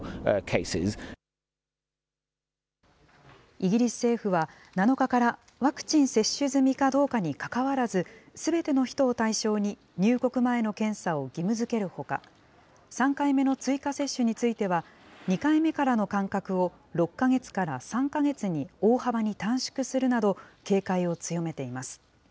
イギリス政府は、７日からワクチン接種済みかどうかに関わらず、すべての人を対象に、入国前の検査を義務づけるほか、３回目の追加接種については、２回目からの間隔を６か月から３か月に大幅に短縮するなど、警戒を強めています。